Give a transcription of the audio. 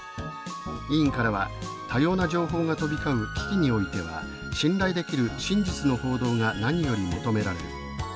委員からは「多様な情報が飛び交う危機においては信頼できる真実の報道が何より求められる。